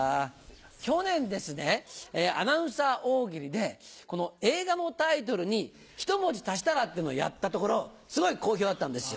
去年ですねアナウンサー大喜利で映画のタイトルにひと文字足したらっていうのをやったところすごい好評だったんですよ